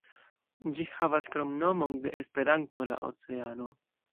Ĝi havas kromnomon de Esperanto: "La Oceano".